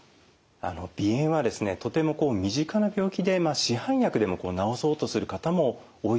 鼻炎はですねとても身近な病気で市販薬でも治そうとする方も多いと思います。